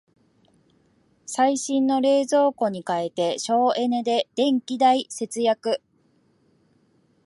最新の冷蔵庫に替えて省エネで電気代節約